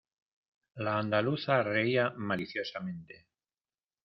la andaluza reía maliciosamente: